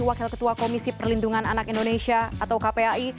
wakil ketua komisi perlindungan anak indonesia atau kpai